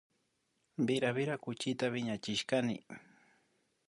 Wira wira kuchita wiñachishkani